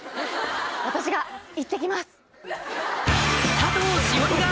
私が行って来ます！